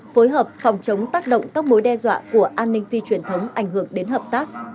phối hợp phòng chống tác động các mối đe dọa của an ninh phi truyền thống ảnh hưởng đến hợp tác